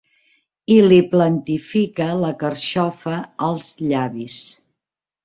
I li plantifica la carxofa als llavis.